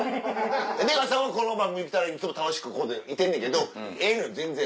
出川さんこの番組来たらいつも楽しくここでいてんねんけどええのよ全然。